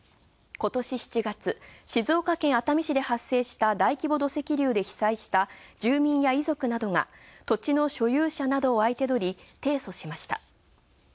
今年７月、静岡県熱海市で発生した大規模土石流で被災した住民や遺族などが土地の所有者などを相手取り、提訴しました。